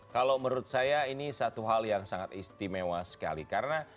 kalau menurut saya ini satu hal yang sangat istimewa sekali